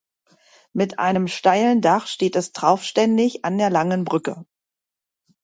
Mit einem steilen Dach steht es traufständig an der Langen Brücke.